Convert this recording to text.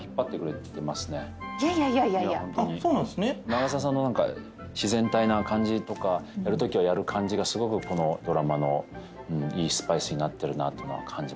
長澤さんの自然体な感じとかやるときはやる感じがすごくこのドラマのいいスパイスになってるなと感じます。